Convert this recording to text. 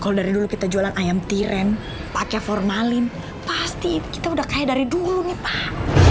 kalau dari dulu kita jualan ayam tiren pakai formalin pasti kita udah kayak dari dulu nih pak